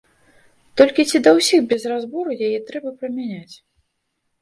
Толькі ці да ўсіх без разбору яе трэба прымяняць?